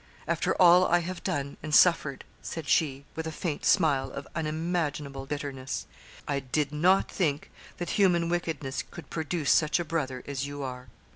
'After all I have done and suffered!' said she, with a faint smile of unimaginable bitterness; 'I did not think that human wickedness could produce such a brother as you are.'